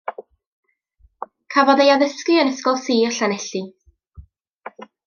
Cafodd ei addysgu yn Ysgol Sir Llanelli.